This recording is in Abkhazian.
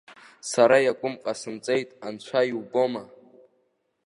Сара иакәым ҟасымҵеит, анцәа иубома.